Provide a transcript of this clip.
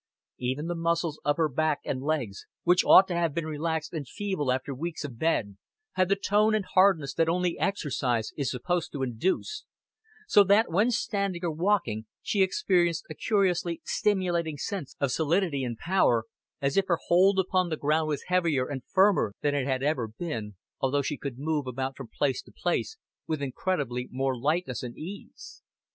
Even the muscles of her back and legs, which ought to have been relaxed and feeble after weeks of bed, had the tone and hardness that only exercise is supposed to induce; so that when standing or walking she experienced a curiously stimulating sense of solidity and power, as if her hold upon the ground was heavier and firmer than it had ever been, although she could move about from place to place with incredibly more lightness and ease.